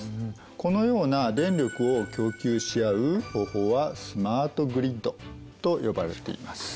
このような電力を供給し合う方法はスマートグリッドと呼ばれています。